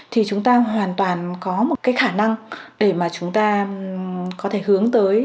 thì chúng ta hoàn toàn có một khả năng để chúng ta có thể hướng tới